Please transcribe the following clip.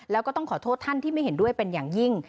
แล้วก็ต้องขอโทษท่านที่ไม่เห็นด้วยเป็นอย่างยิ่ง